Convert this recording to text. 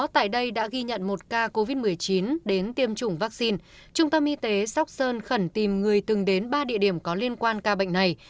trung tâm y tế sóc sơn khẩn tìm người từng đến ba địa điểm có liên quan ca bệnh này